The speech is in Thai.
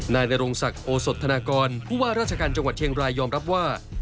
นายนรงศักดิ์โอสดธนากรผู้ว่าราชการจังหวัดเชียงรายยอมรับว่า